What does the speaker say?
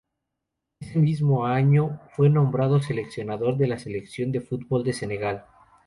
Ese mismo año fue nombrado seleccionador de la selección de fútbol de Senegal.